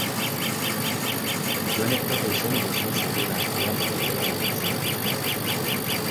Jon etorri zen gizon sudur azpian ileari hitz.